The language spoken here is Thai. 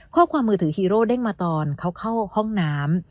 ข้อความมือถือฮีโร่เด้งมาตอนเขาเข้าห้องน้ำ